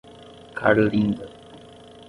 Carlinda